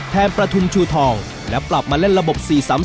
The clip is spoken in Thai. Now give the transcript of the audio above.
ประทุมชูทองและปรับมาเล่นระบบ๔๓๓